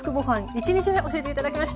１日目教えて頂きました。